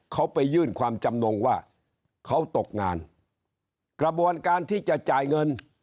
เขาไปยื่นความจำนงว่าเขาตกงานกระบวนการที่จะจ่ายเงิน